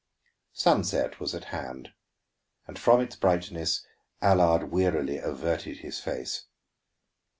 Sunset was at hand, and from its brightness Allard wearily averted his face.